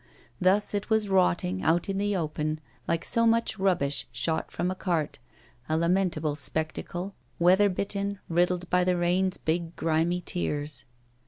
Thus it was rotting out in the open like so much rubbish shot from a cart, a lamentable spectacle, weather bitten, riddled by the rain's big, grimy tears.